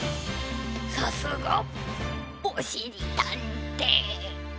さすがおしりたんていさん。